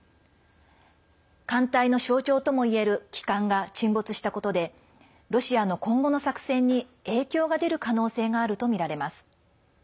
艦隊の象徴ともいえる旗艦が沈没したことでロシアの今後の作戦に影響が出る可能性があるとみられます。